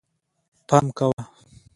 پام کوه